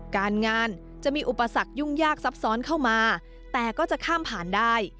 การงานจะมีอุปสรรคยุ่งยากซับซ้อนเข้ามาแต่ก็จะข้ามผ่านได้